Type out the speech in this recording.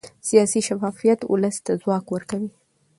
سیاسي شفافیت ولس ته ځواک ورکوي